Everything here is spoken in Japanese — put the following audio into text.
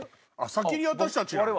先に私たちなの？